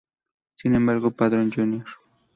Sin embargo, Padrón Jr.